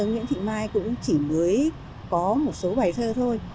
nguyễn thị mai cũng chỉ mới có một số bài thơ thôi